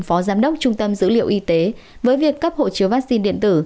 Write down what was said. phó giám đốc trung tâm dữ liệu y tế với việc cấp hộ chiếu vaccine điện tử